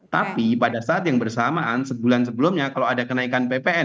tapi pada saat yang bersamaan sebulan sebelumnya kalau ada kenaikan ppn